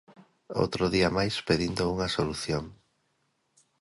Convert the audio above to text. Outro día máis pedindo unha solución.